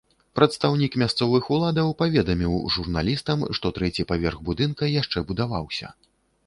Прадстаўнік мясцовых уладаў паведаміў журналістам, што трэці паверх будынка яшчэ будаваўся.